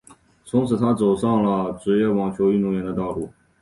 从此她走上了职业网球运动员的道路。